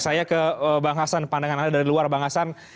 saya ke bang hasan pandangan anda dari luar bang hasan